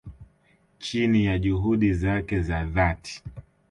chini ya juhudi zake za dhati